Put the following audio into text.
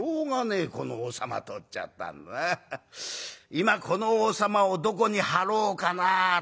今この王様をどこに張ろうかなと」。